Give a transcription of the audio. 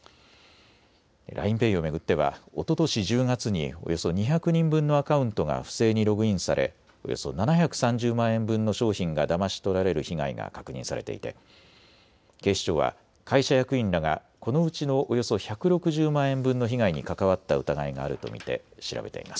ＬＩＮＥＰａｙを巡ってはおととし１０月におよそ２００人分のアカウントが不正にログインされおよそ７３０万円分の商品がだまし取られる被害が確認されていて警視庁は会社役員らがこのうちのおよそ１６０万円分の被害に関わった疑いがあると見て調べています。